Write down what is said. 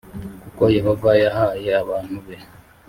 kuko yehova yahaye abantu be